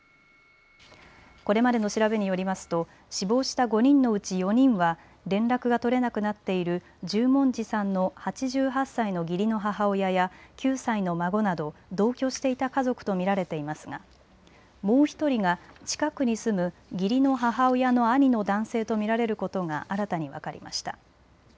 これまでの調べによりますと死亡した５人のうち４人は連絡が取れなくなっている十文字さんの８８歳の義理の母親や９歳の孫など同居していた家族と見られていますがもう１人が近くに住む義理の母親の兄の男性と見られることが新たに分かりました。